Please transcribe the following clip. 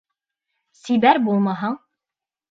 Сибәр булмаһаң...